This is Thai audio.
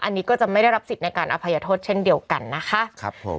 อันนี้ก็จะไม่ได้รับสิทธิ์ในการอภัยโทษเช่นเดียวกันนะคะครับผม